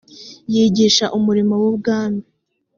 yigisha umurimo w ubwami